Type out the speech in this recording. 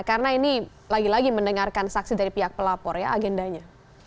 karena ini lagi lagi mendengarkan saksi dari pihak pelapor ya agendanya